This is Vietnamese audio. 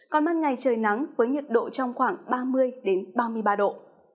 còn ban ngày trời nắng với nhiệt độ trong khoảng ba mươi ba mươi ba độ